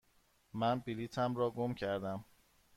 من بلیطم را گم کردم.